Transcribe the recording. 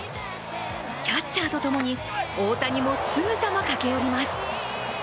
キャッチャーとともに大谷もすぐさま駆け寄ります。